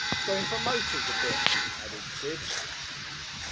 "Go in for motors a bit," added Sid.